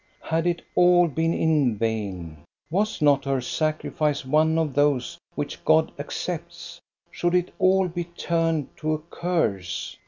Had it all been in vain; was not her sacrifice one of those which God accepts? Should it all be turned to a curse?